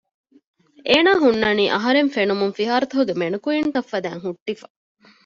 އޭނަ ހުންނަނީ އަހަރެން ފެނުމުން ފިހާރަތަކުގެ މެނިކުއިންތައް ފަދައިން ހުއްޓިފަ